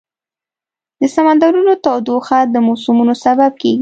د سمندرونو تودوخه د موسمونو سبب کېږي.